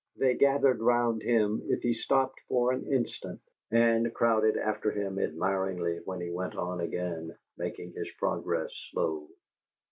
They gathered round him if he stopped for an instant, and crowded after him admiringly when he went on again, making his progress slow.